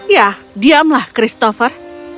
ya diamlah christopher